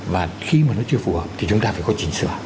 và khi mà nó chưa phù hợp thì chúng ta phải có chỉnh sửa